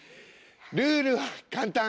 ルールは簡単！